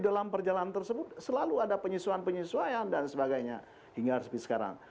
dalam perjalanan tersebut selalu ada penyesuaian penyesuaian dan sebagainya hingga resmi sekarang